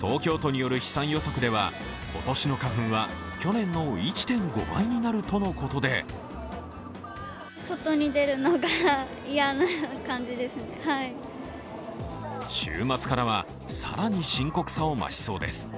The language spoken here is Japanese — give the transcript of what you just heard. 東京都による飛散予測では、今年は去年の１．５倍になるとのことで週末からは更に深刻さを増しそうです。